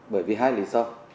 bởi vì hai lý do